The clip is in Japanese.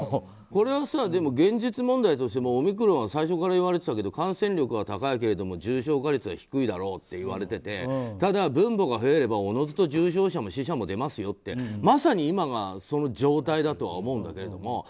でも、現実問題としてオミクロンは最初から言われたけど感染力は高いけれども重症化率は低いといわれていてただ、分母が増えればおのずと重症者も死者も出ますよってまさに今がその状態だとは思うんだけれども。